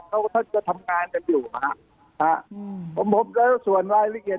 เขาจะทำงานกันอยู่ครับผมพบแล้วส่วนรายละเอียด